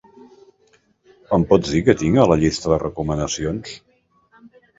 Em pots dir què tinc a la llista de recomanacions?